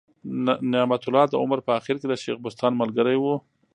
نعمت الله د عمر په آخر کي د شېخ بستان ملګری ؤ.